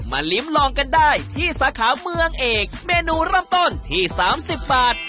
ลิ้มลองกันได้ที่สาขาเมืองเอกเมนูเริ่มต้นที่๓๐บาท